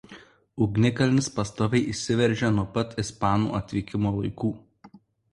Ugnikalnis pastoviai išsiveržia nuo pat ispanų atvykimo laikų.